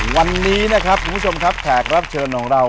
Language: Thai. วันนี้นะครับคุณผู้ชมครับแขกรับเชิญของเรา